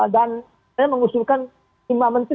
dan saya mengusulkan lima menteri